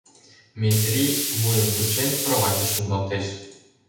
— Метрий, вуйым кучен, кроватьыш шуҥгалтеш.